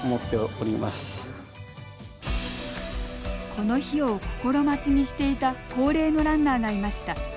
この日を心待ちにしていた高齢のランナーがいました。